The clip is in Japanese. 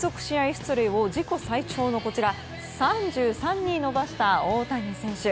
出塁を自己最長の３３に伸ばした大谷選手。